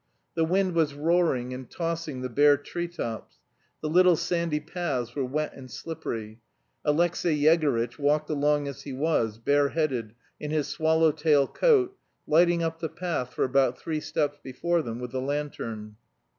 The wind was roaring and tossing the bare tree tops. The little sandy paths were wet and slippery. Alexey Yegorytch walked along as he was, bareheaded, in his swallow tail coat, lighting up the path for about three steps before them with the lantern.